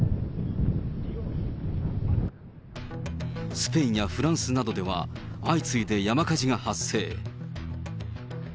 スペインやフランスなどでは、相次いで山火事が発生。